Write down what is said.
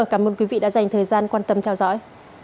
cảm ơn quý vị đã dành thời gian quan tâm theo dõi